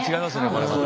これまた。